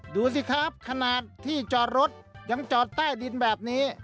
ดูสิครับขนาดที่จอดรถยังจอดใต้ดินแบบนี้